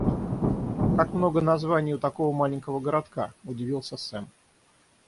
«Как много названий у такого маленького городка», — удивился Сэм.